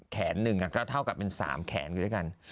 แขนหนึ่งคือเท่ากับเป็น๓แขนทั้งด้วยกัน